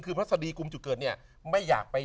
คือพระศดีกลุ่มจุดเกิดเนี่ย